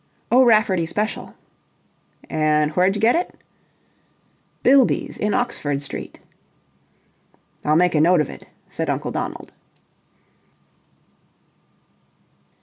"O'Rafferty Special." "And wherj get it?" "Bilby's, in Oxford Street." "I'll make a note of it," said Uncle Donald.